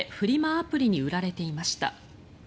アプリに売られていました。